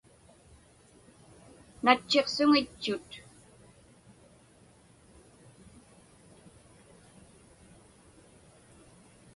Natchisuŋitchut.